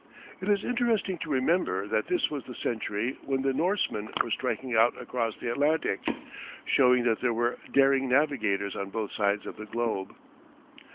It is interesting to remember that this was the century when the Norsemen were striking out across the Atlantic, showing that there were daring navigators on both sides of the globe.